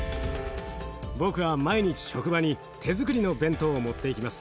僕は毎日職場に手づくりの弁当を持っていきます。